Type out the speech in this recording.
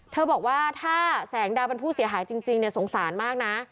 บอกว่าถ้าแสงดาวเป็นผู้เสียหายจริงสงสารมากนะ